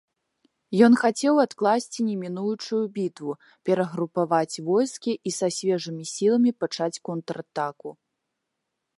Ён хацеў адкласці немінучую бітву, перагрупаваць войскі і са свежымі сіламі пачаць контратаку.